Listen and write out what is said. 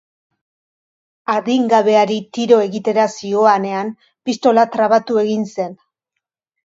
Adingabeari tiro egitera zihoanean, pistola trabatu egin zen.